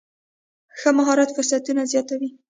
ښه مهارت فرصتونه زیاتوي.